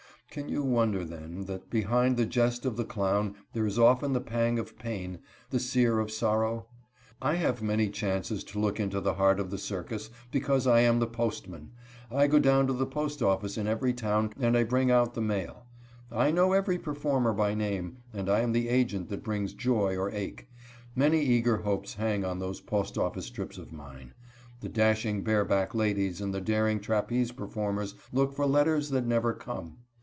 Can you wonder, then, that behind the jest of the clown there is often the pang of pain, the sear of sorrow? I have many chances to look into the heart of the circus, because I am the postman. I go down to the post office in every town, and I bring out the mail. I know every performer by name, and I am the agent that brings joy or ache. Many eager hopes hang on those post office trips of mine. The dashing bareback ladies and the daring trapeze performers look for letters that never come.